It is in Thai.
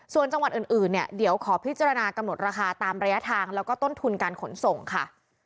ส่วนจังหวัดอื่นเนี่ยเดี๋ยวขอพิจารณากำหนดราคาตามระยะทางแล้วก็ต้นทุนการขนส่งค่ะ